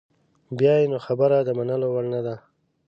بیا یې نو خبره د منلو وړ نده.